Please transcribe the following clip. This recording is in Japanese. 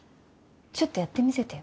ちょっとやって見せてよ。